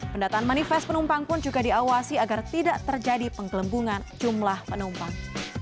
pendataan manifest penumpang pun juga diawasi agar tidak terjadi penggelembungan jumlah penumpang